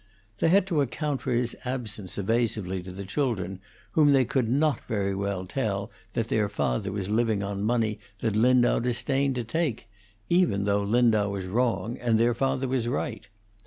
They had to account for his absence evasively to the children, whom they could not very well tell that their father was living on money that Lindau disdained to take, even though Lindau was wrong and their father was right.